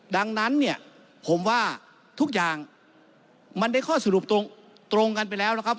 ดังนั้นเนี่ยผมว่าทุกอย่างมันได้ข้อสรุปตรงกันไปแล้วนะครับ